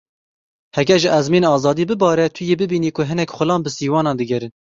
Heke ji ezmên azadî bibare, tu yê bibînî ku hinek xulam bi sîwanan digerin.